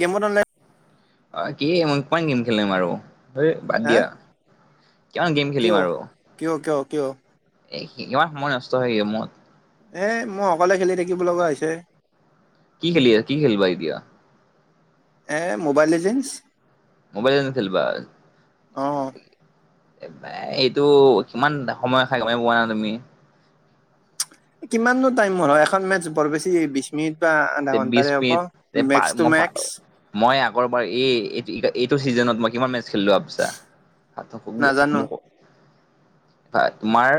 গেমত অনা অ', কি মই [unintelligible] গে'ম খেলিম আৰু। হেই বাদ হা দিয়া, কিমান গে'ম কিয় খেলিম আৰু। কিয় কিয় কিয় এই কিমান সময় নষ্ট হয় গে'মত। এই মই অকলে খেলি থাকিব লগা হৈছে। কি খেলি আছা, কি খেলিবা এতিয়া? এই মোবাইল লেজেন্ছ। মোবাইল লিজেণ্ড খেলিবা? অ এই এইটো কিমান সময় খাই গমেই পোৱা নাই তুমি। কিমানো টাইমৰ হয়, এখন মেচ বৰ বেছি বিশ মিনিট বা আধা বিশ ঘণ্টাৰে হ'ব, মিনিট মেক্স টো মই মেক্স। মই আগৰবাৰ এই এটো এইটো চিজনত মই কিমান মেটচ খেলিলোঁ নাজানো ভাবছা [unintelligible] হয়, তোমাৰ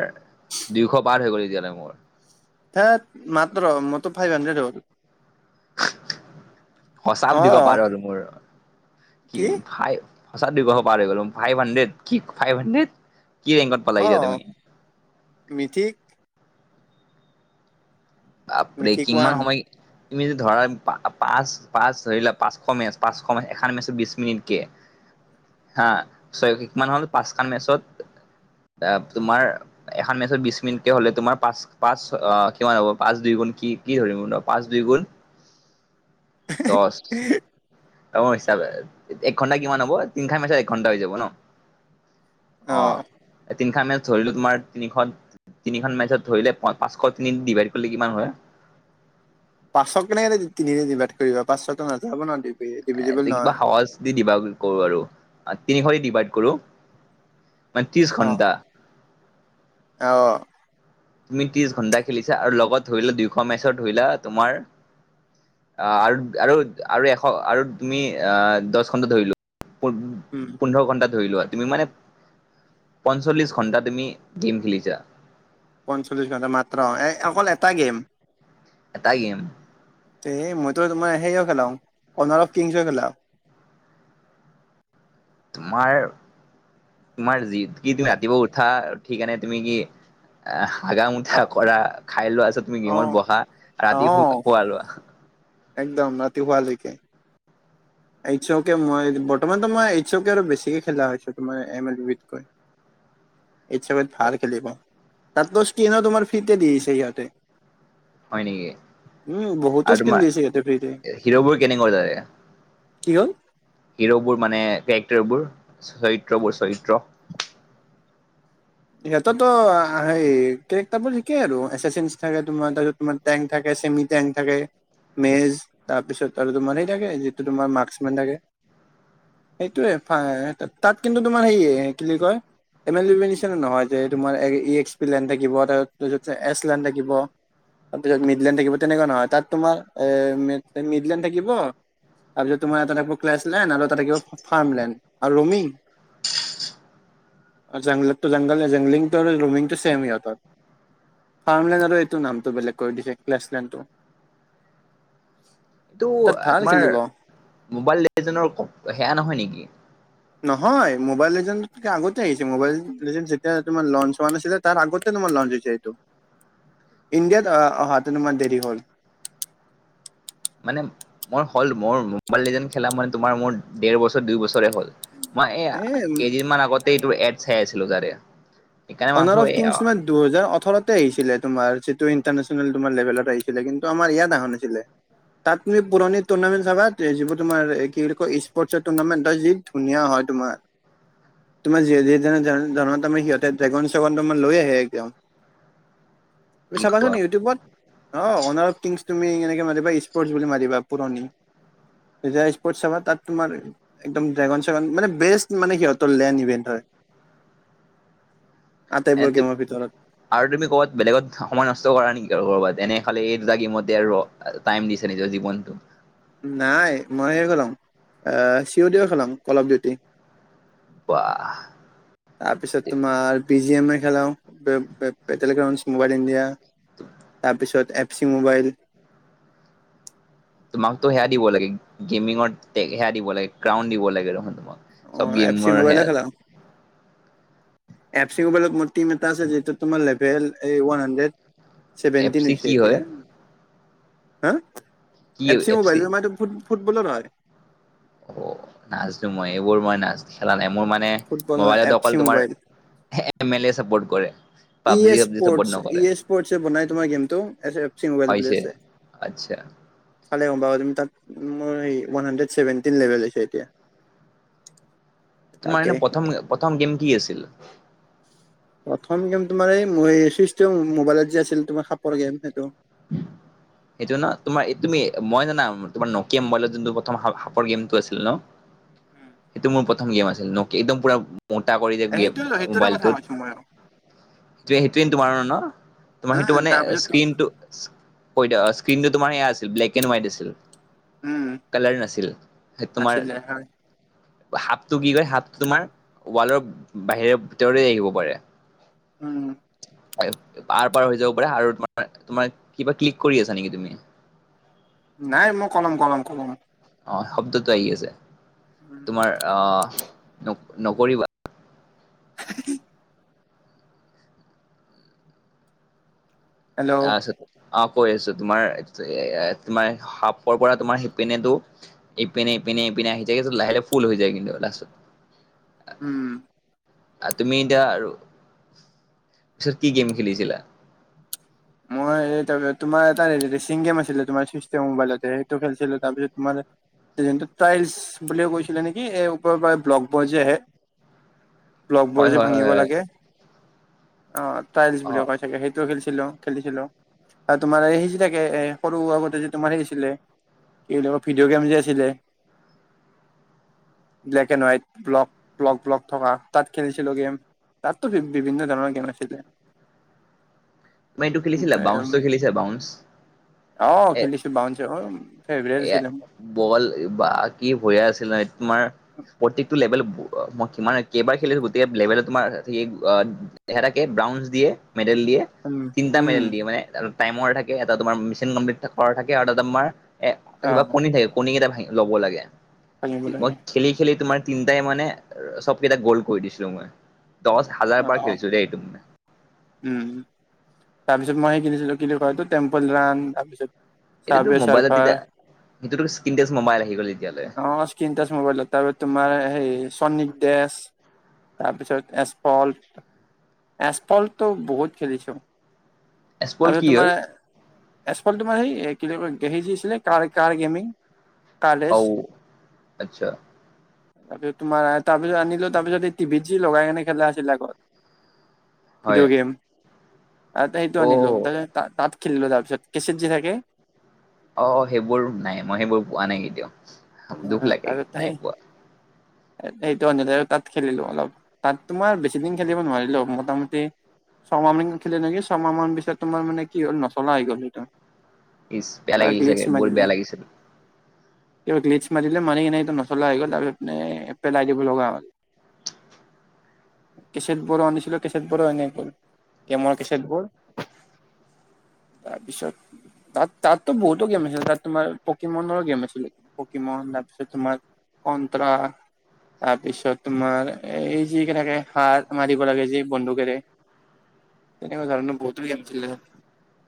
দুয়শ পাৰ হৈ গ'ল এতিয়ালৈ মোৰ। ধেইত মাত্ৰ, মোৰ তো ফাইভ হাণ্ড্ৰেড হ'ল। সঁচা অ দুইশ পৰ হ'ল মোৰ। কি ফাই সঁচা দুইশ পাৰ হৈ গ'লো ফাইভ হাড্ৰেড, কি ফাইভ হাড্ৰেড? কি ৰেংকত পালা এতিয়া তুমি? মিথি। বাপৰে মিথিক ওৱান কিমান সময় তুমি ধৰা পাঁচ পাঁচ ধৰিলা পাঁচশ মেচ পাঁচশ মেচ এখন মেচত বিশ মিনিট কে। হা চয়শ কিমান হ'ল পাঁচখন মেচত? এ তোমাৰ এখন মেচত বিশ মিনিটকে হ'লে, তোমাৰ পাঁচ পাঁচ কিমান হ'ব? পাঁচ দুই গুণ কি কি ধৰিম, পাঁচ দুই গুণ দহ, ডাগৰ হিচাপে এক ঘন্টা কিমান হ'ব তিনিখন মেটচত এক ঘন্টা হৈ যাব ন'? অ', তিনি খন মেটচ ধৰিলো তোমাৰ তিনিখন তিনিখন মেটচত ধৰিলে পা-পাঁচশ তিনি দি ডিভাইড কৰিলে কিমান হয়? পাঁচশক কেনেকেৰে তিনিৰে দিভাইড কৰিবা পাঁচশটো নাযাব ন'। ডিভিজিবল এ কিবা নহয় সহজ দি দিবা বোল কৰোঁ আৰু তিনিশ দি ডিভাইড কৰো, মানে ত্ৰিশ অ ঘন্টা। অ'। তুমি ত্ৰিশ ঘণ্টা খেলিছা আৰু লগত ধৰিলা দুইশ মেচত ধৰিলা তোমাৰ অ', আৰু, আৰু, আৰু এশ আৰু তুমি অ', দহ ঘণ্টা ধৰি লোৱা। উম পোন-পোন্ধৰ ঘন্টা ধৰি লোৱা তুমি মানে পঞ্চল্লিছ ঘণ্টা তুমি গে'ম খেলিছা। পঞ্চল্লিছ ঘণ্টা মাত্ৰ অকল এটা গেম। এটাই গেম। তে মইতো তোমাৰ সেইও খেলাও পোন্ধৰ কিংছও খেলাও। তোমাৰ তোমাৰ যি কি তুমি ৰাতিপুৱা উঠা উঠে কেনে তুমি কি এ হাগা অ মুতা কৰা খাই লোৱাছত তুমি অ গেমত বহা অ ৰাতি [unintelligible] লোৱা। একদম ৰাতি শুৱালৈকে। এইচ কে মই বৰ্তমানো মই এইচ অ', কে আৰু বেছিকে খেলা হৈছো তোমাৰ এম এল বিত কৈ। এইচ [unintelligible] ভাল ভাল খেলিব তাতকো স্কিনো তোমাৰ ফ্ৰীতে দি আছে সিহঁতে। হয় নেকি উম, বহুতো আৰু স্কিন তোমাৰ দিছে সিঁহতে ফ্ৰীতে। হিৰ'বোৰ কেনেকুৱা তাৰে? কি হ'ল? হিৰ'বোৰ মানে কেৰেক্টাৰবোৰ চৰিত্ৰ বোৰ চৰিত্ৰ। সিহঁতৰতো সেই কেৰেক্টাৰ বোৰ ঠিকেই আৰু এচ চিৰ নিচিনাকে তোমাৰ তাৰপিছত তোমাৰ টেংক থাকে চেমি টেংক থাকে। মেজ তাৰপিছত আৰু তোমাৰ সেই থাকে যিটো তোমাৰ মাৰ্ক্স মেন থাকে। সেইটোয়ে তাত কিন্তু তোমাৰ হেয় কি বুলি কয় এম এল বি নহয় যে তোমাৰ ই এক্স পি লেন থাকিব তাৰছত এছ লেন থাকিব। তাৰপিছত মিডলেণ্ড থাকিব তেনেকুৱা নহয় তাত তোমাৰ এ মিডলেণ্ড থাকিব। তাৰপিছত তোমাৰ এটা থাকিব ক্লেছ লেন আৰু এটা থাকিব ফাৰ্ম লেন আৰু ৰ'মিং। অ', জেংলত জংগল জংলংটো ৰুমিংটো চেম সিহঁতৰ। ফাৰ্মলেন আৰু এইটো নামটো বেলেগ কৰি দিছে ক্লেছলেণ্ডটো। [inaudible] এইটো তাত ভাল তোমাৰ খেলিব মোবাইল [unintelligible] সেয়া নহয় নেকি। নহয় মোবাইল এজেণ্টতকে আগতে আহিছে মোবাইল এজেন্ট যেতিয়া তোমাৰ লঞ্চ হোৱা নাছিলে তাৰ আগতেই লঞ্চ হৈছে এইটো। [inaudible] ইণ্ডিয়াত অহাতে অলপমান দেৰি হ'ল। মানে মই হ'ল মোৰ মোম্বাইল এজেন্ট খেলা মান তোমাৰ মোৰ দেৰ বছৰ দুই বছৰে হ'ল। মই এই এ কেইদিনমান আগতে এইটো এদ চাই আছিলোঁ তাৰে সেইকাৰণে ভাবছো অনাৰ অফ এই কিমছ মেইন দুহেজাৰ ওঠৰতে আহিছিলে তোমাৰ যিটো ইন্টাৰনেচলন তমাৰ লেভেলত আহিছিলে কিন্তু আমাৰ ইয়াত আহা নাছিলে। তাত তুমি পুৰণি টুৰ্ণামেণ্ট চাবা যিবোৰ তোমাৰ এ কি বুলি কয় স্পৰ্টছৰ টুৰ্ণামেণ্ট হয় যি ধুনীয়া হয় তোমাৰ [inaudible] তুমাৰ [unintelligible] [unintelligible] সিহঁত এ ড্ৰেগন চেগ'ন ত লৈ আহে এতিয়াও তুমি কি চাবাচোন কোৱা ইউটিউবত। অ', অনাৰ অফ কিংছ তুমি এনেকে মাৰিবা স্পৰ্টছ বুলি মাৰিবা পুৰণি। এতিয়া স্পৰ্টছ চাবা তাত তোমাৰ একদম ড্ৰেগন চেগন মানে বেষ্ট মানে সিহঁতৰ লেণ্ড ইভেন্ট হয়। আটাইবোৰ গেম'ৰ ভিতৰত। আৰু তুমি ক'বাত বেলেগত সময় নষ্ট কৰা নেকি আৰু কৰ'বাত এনে খালে এই দুটা গেম'তে আৰু টাইম দিছে নিজৰ জীৱনটো। নাই মই সেই খেলাওঁ অ', চি ও দি খেলাওঁ অলপ দেৰি। ওৱা। তাৰ পিছত তোমাৰ বি জি এম এ খেলাও পেটেল গ্ৰাউণ্ড মোবাইল ইণ্ডিয়া তাৰপিছত এ ফ চি মোবাইল তোমাকতো সেয়া দিব লাগে গেমিঙৰ সেয়া দিব লাগে ক্ৰাউণ্ড দিব লাগে দেখোন তোমাক। চব অ' এফ চি গেমৰ মোবাইলে সেয়া খেলাওঁ এফ চি মোৰ টিম এটাছে যিহটো তোমাৰ লেভেল এইওৱন হানণ্ড্ৰেড। এফ চেভেন্তিন চি কি হৈছে হয় এতিয়া হা। কি এফচি এফ চি মোবাইল আমাৰো ফুট -ফুটবলৰ হয়। অ', নাজনো মই, এইবোৰ মই নাজ খেলা নাই মোৰ, মানে ফুটবল মবাইলত এফ অকল চি তোমাৰ মোবাইল [unintelligible] চাৰ্পট কৰে। ই পাবজি এ চাবজি চাপৰ্ট স্পৰ্টচ, ই নকৰে এ স্পৰ্টচে বনাই তোমাৰ গেমটো। [unintelligible] ম'বাইল বুলি হৈছে আছে। আচ্ছা। চালে গম পাবা। তুমি তাত, মোৰ ওৱান হাণ্ড্ৰেড ছেভেনটিন লেভেল হৈছে এতিয়া। তোমাৰ তাকে এনে প্ৰথম, প্ৰথম গেম কি আছিল? প্ৰথম গেম তোমাৰ, এই [unintelligible] ম'বাইলত যে আছিল, তোমাৰ সাপৰ গেম, সেইটো। [inaudible] সেইটো ন, তোমাৰ তুমি মই জানা, তোমাৰ নকিয়া ম'বাইলত যোনটো প্ৰথম সাপৰ গেমটো আছিল ন। সেইটো মোৰ প্ৰথম গেম আছিল, নকি একদম পুৰা মোটা কৰি যে এ দিয়ে, সেইটো সেইটোৰে কথা ম'বাইলটোত কৈছো মই আৰু। সেইটোৱে, তোমাৰ ন, তোমাৰ সেইটো উম মানে তাৰপিছত স্ক্ৰীনটো কৈদ স্ক্ৰীনটোতোমাৰ সেয়া আছিল, ব্লেক এণ্ড হোৱাইট আছিল। উম কালাৰ নাছিল, সেই তোমাৰ আছিলে হয়। হাপটো কি কৰে, হাপটো, তোমাৰ ৱালৰ বাহিৰে, ভিতৰে আহিব পাৰে। উম। আৰপাৰ, হৈ যাব পাৰে। আৰু, তোমাৰ কিবা ক্লিক কৰি আছা নেকি, তুমি? নাই, মই কলম কলম কলম অ, শব্দটো আহি আছে হেল্ল' তোমাৰ আহ, নকৰিবা। [inaudible] অ, কৈ আছো। তোমাৰ, তোমাৰ সাপৰ পৰা, তোমাৰ সিপিনেটো ইপিনে, ইপিনে, ইপিনে আহি থাকে। লাহে লাহে ফুল হৈ যায় কেতিয়াবা লাষ্টত। উম। তুমি এতিয়া, আৰু পিছত, কি গেম খেলিছিলা? মই, এ তোমাৰ এটা ৰেচিং গেম আছিলে, তোমাৰ [unintelligible] ম'বাইলতে। সেইটো খেলিছিলোঁ। তাৰপিছত, তোমাৰ টাইলছ বুলিও কৈছিলে নেকি, এই ওপৰৰ পৰা ব্লকবোৰ যে আহে। হয় ব্লকবোৰ যে হয় হয় ভঙিব হয় লাগে, অ ট্ৰাইলছ অ' বুলিও কয় ছাগে। খেলিছিলোঁ, খেলিছিলোঁ। আৰু, তোমাৰ এই সেই যে থাকে সৰু আগতে যে তোমাৰ হেৰি আছিলে। এবিলাকৰ ভিডিঅ' গেম যে আছিলে। [inaudible] ব্লেক এণ্ড হোৱাইট, ব্লক-ব্লক-ব্লক থকা, তাত খেলিছিলোঁ গেম। তাত তো, বিভিন্ন ধৰণৰ গেম আছিলে। তুমি এইটো খেলিছিলা, বাউন্সটো খেলিছা, বাউন্স। অ, এ খেলিছোঁ বাউন্স। অ, ফেভৰেট এয়া আছিলে মোৰ। বল বা কি [unintelligible] আছিলে ন, তোমাৰ? প্ৰত্যেকটো লেভেল ব অ মই কিমান কেইবাৰ খেলিছো, গোটেই লেভেলত তোমাৰ এ অ [unintelligible] ব্ৰঞ্জ দিয়ে, মেডেল দিয়ে। উম তিনিটা উম মেডেল দিয়ে, মানে টাইমৰ থাকে, এটা তোমাৰ মেচিন কমপ্লিট কৰা থাকে, আৰু এটা তোমাৰ এ, অ কিবা কণী থাকে, কণী কেইটা ভা ল'ব লাগে। থাকিব মই লাগে খেলি খেলি তোমাৰ তিনটাই, মানে চবকেইটা গোল্ড কৰি দিছিলোঁ মই। দহ হাজাৰ অ বাৰ অ খেলিছিলোঁ দেই এইটো উম। তাৰ পিছত মই খেলিছিলোঁ, কি কয় এইটো টেম্পল ৰান। তাৰপিছত এইটোতো চাবৱে ম'বাইলত চাৰ্ফাৰ তেতিয়া সেইটোতো স্ক্ৰীন টাচ মোবাইল আহি গ'ল তেতিয়ালৈ। অ স্ক্ৰীন টাচ ম'বাইলত, তাৰপিছত তোমাৰ সেই। [unintelligible] তাৰপিছত, এছফাল্ট, এছফাল্টো বহুত খেলিছো। এছপল তাৰপিছত, কি তোমাৰ হয় এছফাল্ট, তোমাৰ [unintelligible] আছিলে, কাৰ কাৰ গেমিং অ আচ্ছা [unintelligible] তাৰপিছত তোমাৰ তাৰপিছত আনিলো। তাৰপিছত, এই টিভিত যি লগাই কেনেকৈ খেলা আছিল আগত। হয় ভিডিঅ' গেম। সেইটো আনিলো অ তাৰপিছত তাত খেলিলো তাৰ পিছত কেছেট যি থাকে অ সেইবোৰ নাই মই সেইবোৰ পোৱা নাই কেতিয়াও অ দুখ অ লাগে তাতত [unintelligible] নাই সেই পোৱা সেইটো অনিলে তাত খেলিলো অলপ তাত তোমাৰ বেছি দিন খেলিব নোৱাৰিলো মোটামুটি ছামাহ মান খেলিলে নেকি ছমাহ মান পিছত তোমাৰ মানে কি হ'ল নচলা হৈ গ'ল সেইটো ইছ বেয়া কিবা লাগিলে গ্লিচ চাগে বৰ বেয়া লাগিছিল তেওঁ ক্িজ [unintelligible] মাতিলে মাৰি কেনে এইটো নচলা হৈ গ'ল তাৰ পিছতে পেলাই দিব লগা হ'ল কেছেট বোৰো আনিছিলো কেছেত বোৰো এনেই গ'ল গেমৰ কেছেটবোৰ তাৰপিছত তাত তাততো বহুতো গেম আছিলে তাত তোমাৰ পকেমনৰ ও গেম আছিলে পকিমন তাৰপিছত তোমাৰ কন্ত্ৰ [unintelligible] তাৰপিছত তোমাৰ এই যি কেনেকে হাৰ্ট মাৰিব লাগে যি বন্দুকেৰে তেনেকুৱা ধৰণৰ বহুতো গেম আছিলে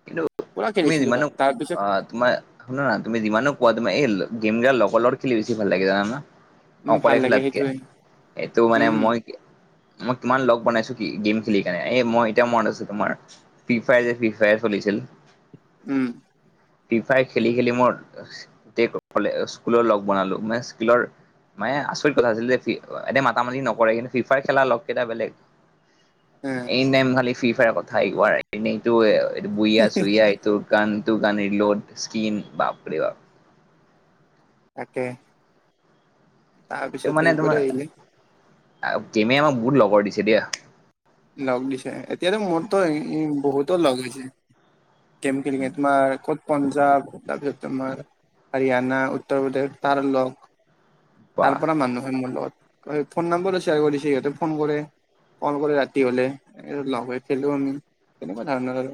কিন্তু পুৰা তুমি খেলিছিলো যিমানো তাত অ তাৰপিছত তোমাৰ শুনা না তুমি যিমানো কোৱা তুমাৰ এই গেমবিলক লগৰ লগত খেলি বেছি ভাল লাগে জানা না উম ভাল অকলে লাগে খেলাতকে, সেইটোৱে এইটো মানে উম মই মই কিমান লগ বনাইছোঁ কি গেম খেলি কেনে এ, মই এতিয়া মনত আছোঁ তোমাৰ। ফি ফায়াৰ যে ফি ফায়াৰ চলিছিল! উম। ফি ফায়াৰ খেলি, খেলি মোৰ [unintelligible] স্কুলৰ লগ বনালোঁ মানে স্কুলৰ মানে আচৰিত কথা আছিল যে, এনে মাতা মাতি নকৰে। কিন্তু ফি ফায়াৰ খেলা লগকেইটা বেলেগ। এ এনি টাইম খালি ফ্ৰী ফায়াৰ কথা আহ, [unintelligible] এইটো বুইয়া চুইয়া তোৰ কান টো [unintelligible] স্ক্ৰীন বাপৰে বাপ! তাকে। এই তাৰপিছত মানে এইবোৰে তোমাৰ, আহিলে গেমেও আমাক বহুত লগৰ দিছে দিয়া। লগ দিছে, এতিয়াতো মোৰতো বহুতো লগ হৈছে। গেম খেলি, খেলি তোমাৰ ক'ত পঞ্জাৱ, তাৰপিছত তোমাৰ হাৰিয়ানা, উত্তৰ প্ৰদেশ তাৰ লগ তাৰ বাহ পৰা মানুহ হয়, মোৰ লগত। ফোন নাম্বাৰো শেয়াৰ কৰিছে সিহঁতে ফোন কৰে, কল কৰে ৰা তি হ'লে লগ হৈ খেলোঁ আমি, তেনেকুৱা ধৰণৰ আৰু।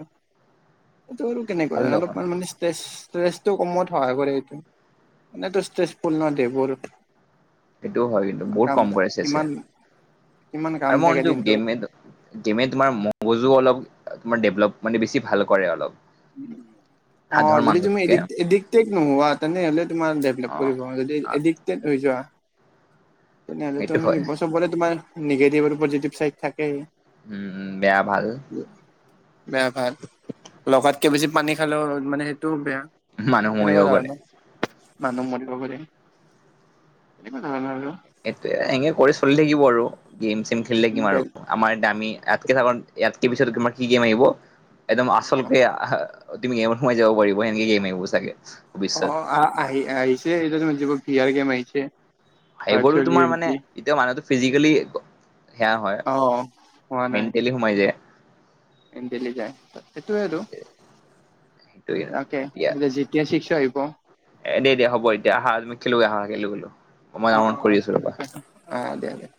সেইটো আৰু কেনেকুৱা ভাল দেখোন অলপমান মানে ষ্ট্ৰেছ ষ্ট্ৰেছটো কমোৱাত সহায় কৰে এইটো, এনেতো ষ্ট্ৰেচ পূৰ্ণ দেবোৰ। সেইটোও হয়, কিন্তু বহুত কম কৰে চেছে কিমান কিমান কাম আৰু মই থাকে নিজৰ দিনটোত গেম গেমে তোমাৰ মগজু অলপমাৰ ডেভলপ মানে বেছি ভাল কৰে অলপ। [inaudible] অ', যদি তুমি মানুহতকে এডিক-এডিক্টেড নোহোৱা তেনেহ'লে তোমাৰ অ ডেভলপ কৰিব, যদি এডিক টেড হৈ যোৱা তেনেহ'লে সেইটো তুমি হয় [unintelligible] চবৰে তোমাৰ নিগেটিভ আৰু পজিটিভ চাইড থাকেই। উম, বেয়া-ভাল। বেয়া- ভাল। লগাতকে বেছি পানী খালেও মানে সেইটোও বেয়া। মানুহ মৰিব এনেকুৱা পাৰে ধৰনৰ। মানু্হ মৰিব গ'লে [unintelligible] এইটোৱেই, এনেকে কৰি চলি থাকিব আৰু গেম চেম খেলি থাকিম আৰু। বেগ আমাৰ এতিয়া আমি ইয়াতকে [unintelligible] ইয়াতকে পিছত তমাৰ কি গেম আহিব, একদম আচল অ [unintelligible] তুমি গেমত সোমাই যাব পাৰিব, সেনেকে গেম আহিব চাগে! ভৱিষ্যত অ', আহি-আহিছে এটো [unintelligible] গেম আহিছে। সেইবোৰো ভাৰ্চুৱেল তোমাৰ মানে ৰিয়েলিটি এতিয়া মানুহটো ফিজিকেলি সেয়া হয়। অ হোৱা মেণ্টেলি সোমাই যায়। দিলি যায়, সেইটোৱে আৰু সেইটোৱে দিয়া [unintelligible] এতিয়া [unintelligible] আহিব। এ, দিয়া দিয়া হ'ব এতিয়া আহা তুমি খেলৈ আহা খেলোঁ, খেলোঁ মই অ অন কৰি আছো ৰ'বা। অ', দিয়া দিয়া।